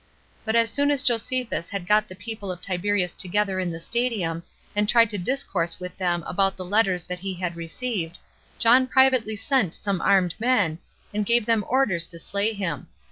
But as soon as Josephus had got the people of Tiberias together in the stadium, and tried to discourse with them about the letters that he had received, John privately sent some armed men, and gave them orders to slay him.